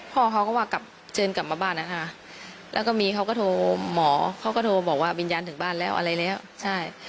พ่อเขาก็ว่ากลับเชิญกลับมาบ้านนะคะแล้วก็มีเขาก็โทรหมอเขาก็โทรบอกว่าวิญญาณถึงบ้านแล้วอะไรแล้วใช่